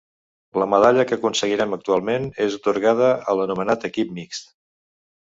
La medalla que aconseguiren actualment és atorgada a l'anomenat Equip Mixt.